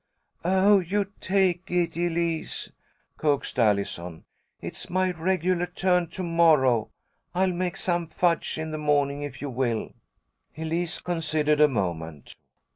"Oh, you take it, Elise," coaxed Allison. "It's my regular turn to morrow. I'll make some fudge in the morning, if you will." Elise considered a moment.